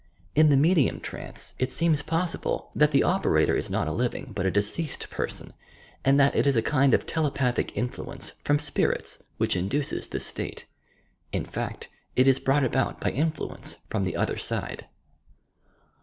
In the me dium trance it BCenis probable that the operator is not a living but a deceased person, and that it is a kind of telepathic influence from spirits which induces this state. In fact, it is brought about by influence from the "other side."